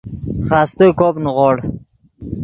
خاستے کوپ نیغوڑ